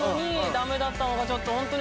ダメだったのがちょっと。